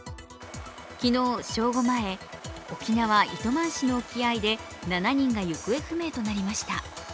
昨日正午前、沖縄・糸満市の沖合で７人が行方不明となりました。